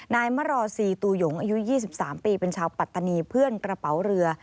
นายมรอซีตูหยงอายุ๒๓ปีเป็นชาวปัตตานีเพื่อนกระเป๋าเรือ